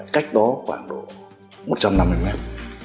cách đó khoảng độ một trăm năm mươi mét